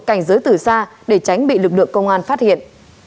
cảnh giới từ xa để tránh bị lực lượng công an phát hiện